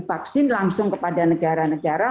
vaksin langsung kepada negara negara